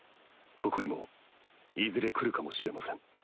ここにもいずれ来るかもしれません。